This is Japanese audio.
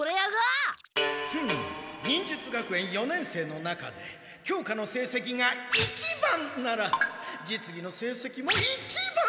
フッ忍術学園四年生の中で教科の成績が一番なら実技の成績も一番！